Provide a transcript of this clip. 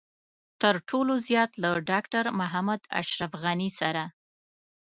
تر ټولو زيات له ډاکټر محمد اشرف غني سره.